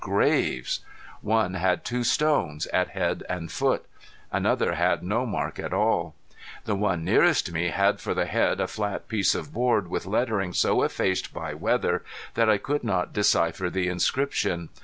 Graves! One had two stones at head and foot. Another had no mark at all. The one nearest me had for the head a flat piece of board, with lettering so effaced by weather that I could not decipher the inscription.